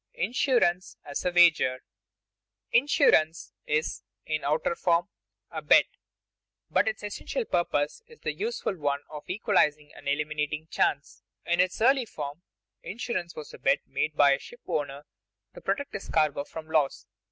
[Sidenote: Insurance as a wager] 5. Insurance is, in outer form, a bet; but its essential purpose is the useful one of equalizing and eliminating chance. In its early form insurance was a bet made by a ship owner to protect his cargo from loss.